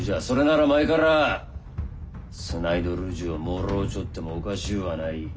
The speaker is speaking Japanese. それなら前からスナイドル銃をもろうちょってもおかしゅうはない。